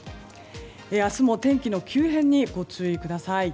明日も天気の急変にご注意ください。